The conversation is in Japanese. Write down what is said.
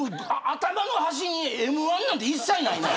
頭の端にＭ‐１なんて一切ないね。